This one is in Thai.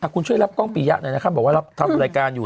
คุณช่วยรับกล้องปียะหน่อยนะครับบอกว่ารับทำรายการอยู่